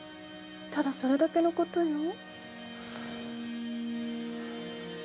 ただそれだけのことよ。